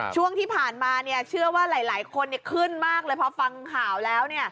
ช่วงที่ผ่านมาเชื่อว่าหลายคนขึ้นมากเลยพอฟังข่าวแล้ว